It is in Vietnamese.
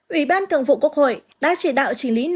ủy ban thường vụ quốc hội đã chỉ đạo trình lý nội dung